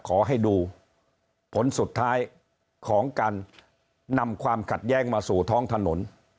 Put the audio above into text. ขอให้ดูผลสุดท้ายของการนำความขัดแย้งมาสู่ท้องถนน